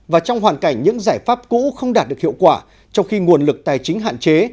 và trong hoàn cảnh những giải pháp cũ không đạt được hiệu quả trong khi nguồn lực tài chính hạn chế